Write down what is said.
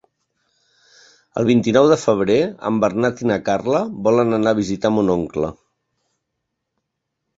El vint-i-nou de febrer en Bernat i na Carla volen anar a visitar mon oncle.